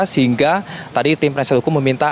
sehingga tadi tim penasihat hukum meminta